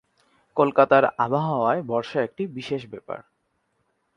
কলকাতার আবহাওয়ায় বর্ষা একটি বিশেষ ব্যাপার।